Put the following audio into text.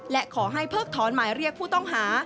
และขอให้เพิกถอนหมายเรียกผู้ต้องหา